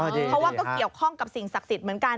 เพราะว่าก็เกี่ยวข้องกับสิ่งศักดิ์สิทธิ์เหมือนกัน